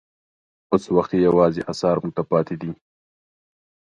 اوس وخت یې یوازې اثار موږ ته پاتې دي.